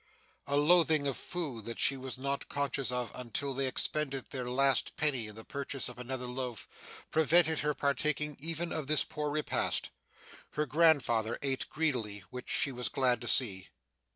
A loathing of food that she was not conscious of until they expended their last penny in the purchase of another loaf, prevented her partaking even of this poor repast. Her grandfather ate greedily, which she was glad to see.